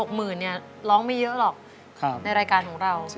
หมื่นเนี่ยร้องไม่เยอะหรอกในรายการของเรา